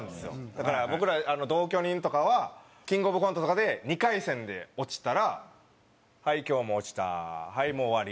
だから僕ら同居人とかはキングオブコントとかで２回戦で落ちたら「はい今日もう落ちた！はいもう終わり！」